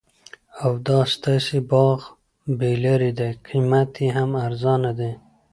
او دا ستاسي باغ بې لاري دي قیمت یې هم ارزانه دي